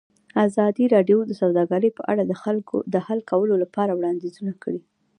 ازادي راډیو د سوداګري په اړه د حل کولو لپاره وړاندیزونه کړي.